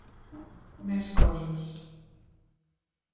Més coses.